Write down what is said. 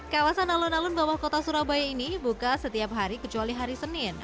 kawasan alun alun bawah kota surabaya ini buka setiap hari kecuali hari senin